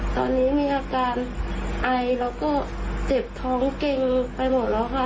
ตอนนี้มีอาการไอแล้วก็เจ็บท้องเก่งไปหมดแล้วค่ะ